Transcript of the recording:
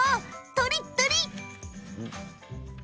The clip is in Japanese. とりっとり！